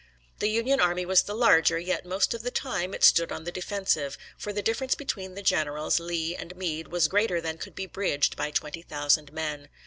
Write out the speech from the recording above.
The Union army was the larger, yet most of the time it stood on the defensive; for the difference between the generals, Lee and Meade, was greater than could be bridged by twenty thousand men.